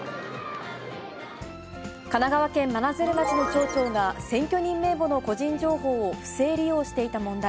神奈川県真鶴町の町長が、選挙人名簿の個人情報を不正利用していた問題。